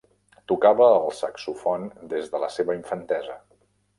Tocava el saxofon des de la seva infantesa.